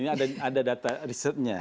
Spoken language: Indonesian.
ini ada data risetnya